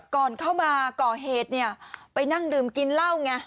ก่อนเข้ามาก่อเหตุเนี่ยไปนั่งดื่มกินเหล้าไง